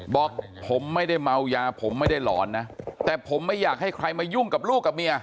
บอกผมไม่ได้เมายาผมไม่ได้หลอนนะแต่ผมไม่อยากให้ใครมายุ่งกับลูกกับเมีย